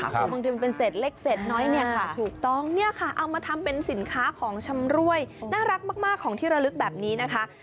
คือบางทีมันเป็นเศษเล็กเศษน้อยเนี่ยค่ะถูกต้องเนี่ยค่ะเอามาทำเป็นสินค้าของชำรวยน่ารักมากของที่ระลึกแบบนี้นะคะ